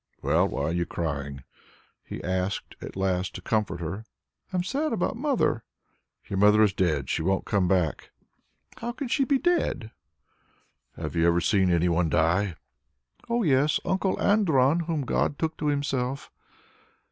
"Well, why are you crying?" he asked at last to comfort her. "I am sad about mother." "Your mother is dead; she won't come back." "How can she be dead?" "Have you never seen any one die?" "Oh yes, Uncle Andron, whom God took to Himself."